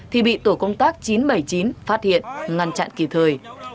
thì bị tổ công tác chín trăm bảy mươi chín phát hiện ngăn chặn kỳ thời